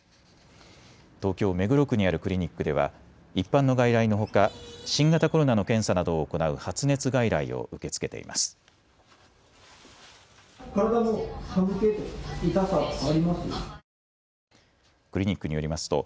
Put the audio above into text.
東京目黒区にあるクリニックでは一般の外来のほか新型コロナの検査などを行う発熱外来を受け付けています。